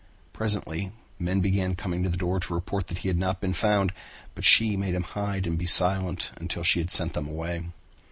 Presently men began coming to the door to report that he had not been found, but she made him hide and be silent until she had sent them away.